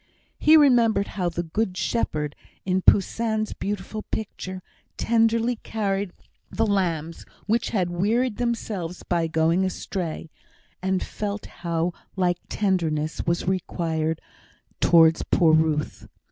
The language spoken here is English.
He remembered how the Good Shepherd, in Poussin's beautiful picture, tenderly carried the lambs which had wearied themselves by going astray, and felt how like tenderness was required towards poor Ruth.